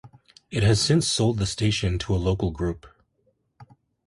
It has since sold the station to a local group.